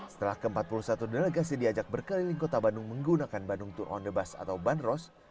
setelah ke empat puluh satu delegasi diajak berkeliling kota bandung menggunakan bandung tour on the bus atau bandros